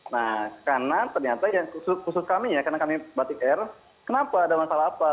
nah karena ternyata ya khusus kami ya karena kami batik air kenapa ada masalah apa